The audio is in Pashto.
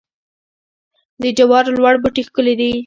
د جوارو لوړ بوټي ښکلي دي.